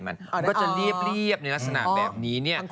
มันก็จะเรียบในลักษณะแบบนี้เนี่ย